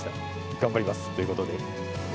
頑張りますということで。